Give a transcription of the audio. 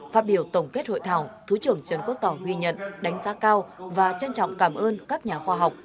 phát biểu tổng kết hội thảo thứ trưởng trần quốc tỏ ghi nhận đánh giá cao và trân trọng cảm ơn các nhà khoa học